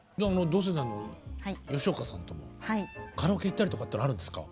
同世代の吉岡さんともカラオケ行ったりとかっていうのあるんですか？